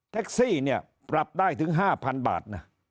แท็กซี่ปรับได้ถึง๕๐๐๐บาท